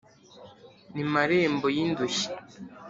ni marembo y' indushyi;